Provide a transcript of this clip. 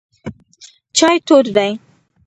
چای تود دی.